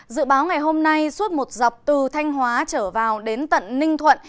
dự báo ngày hôm nay suốt một dọc từ thanh hóa trở vào đến tận ninh thuận